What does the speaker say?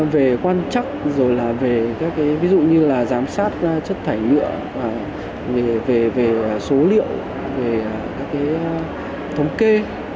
về quan chắc rồi là về các ví dụ như là giám sát chất thải nhựa về số liệu về các cái thống kê